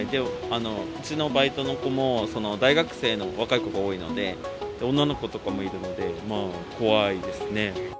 うちのバイトの子も、大学生の若い子が多いので、女の子とかもいるので、怖いですね。